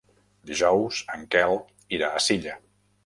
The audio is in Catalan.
Dijous en Quel irà a Silla.